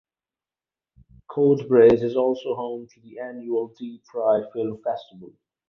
Coatbridge is also home to the annual Deep Fried Film Festival.